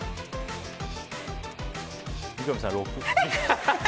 三上さん、６。